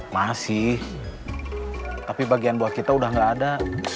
masih tapi bagian buah kita udah gak ada